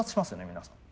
皆さん。